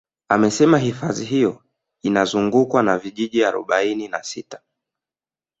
Anasema hifadhi hiyo inazungukwa na vijiji arobaini na sita